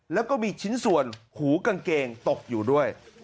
แล้วก็มีชิ้นส่วนหูกางเกงตกอยู่ด้วย